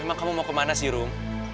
memang kamu mau kemana sih rum